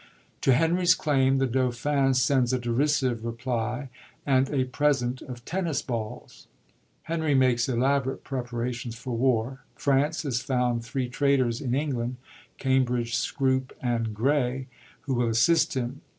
To Henry's claim the Dauphin sends a derisive reply, and a present of tennis balls. Henry makes elaborate preparations for war. France has found three traitors in England — Cambridge, Scroop, and Grey— who will assist him.